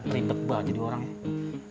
ripek banget jadi orangnya